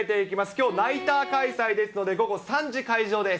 きょうナイター開催ですので、午後３時開場です。